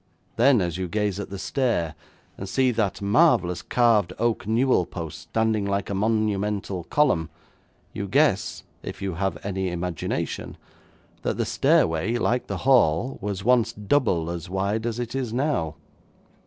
Then, as you gaze at the stair, and see that marvellous carved oak newel post standing like a monumental column, you guess, if you have any imagination, that the stairway, like the hall, was once double as wide as it is now.